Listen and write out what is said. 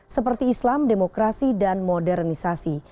seperti islam demokrasi dan modernisasi